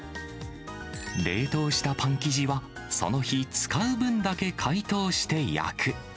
冷凍したパン生地は、その日使う分だけ解凍して焼く。